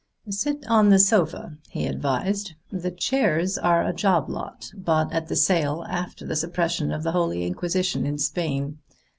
"Sit on the sofa," he advised. "The chairs are a job lot bought at the sale after the suppression of the Holy Inquisition in Spain.